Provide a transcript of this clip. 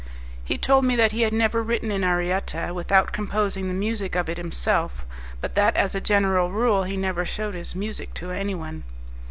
He told me that he had never written an arietta without composing the music of it himself, but that as a general rule he never shewed his music to anyone.